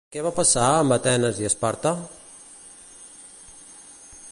Què va passar amb Atenes i Esparta?